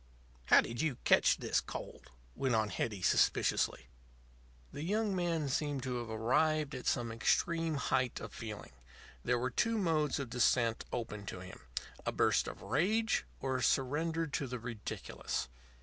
"How did you catch this cold?" went on Hetty, suspiciously. The young man seemed to have arrived at some extreme height of feeling. There were two modes of descent open to him a burst of rage or a surrender to the ridiculous.